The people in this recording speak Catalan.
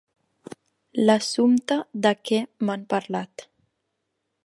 L'assumpte de què m'han parlat.